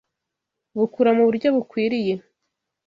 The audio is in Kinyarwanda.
bukura mu buryo bukwiriye